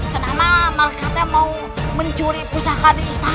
senama malah kata mau mencuri pusaka di istana